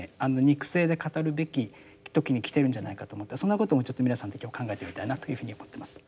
肉声で語るべき時に来ているんじゃないかと思ってそんなこともちょっと皆さんと今日考えてみたいなというふうに思ってます。